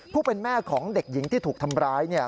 ผู้เป็นแม่ของเด็กหญิงที่ถูกทำร้ายเนี่ย